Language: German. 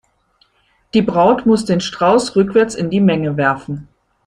Die Braut muss den Strauß rückwärts in die Menge werfen.